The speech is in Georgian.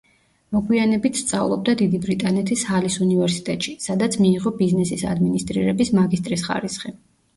მოგვიანებით სწავლობდა დიდი ბრიტანეთის ჰალის უნივერსიტეტში, სადაც მიიღო ბიზნესის ადმინისტრირების მაგისტრის ხარისხი.